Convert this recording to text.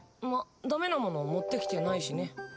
まっダメなもの持ってきてないしね。